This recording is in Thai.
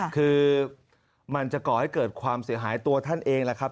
คือมันจะก่อให้เกิดความเสียหายตัวท่านเองแหละครับ